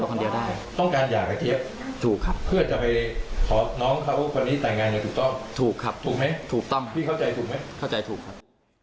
เข้าใจถูกครับ